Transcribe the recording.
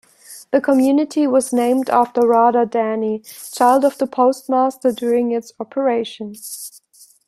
The community was named after Rada Dany, child of the postmaster during its operation.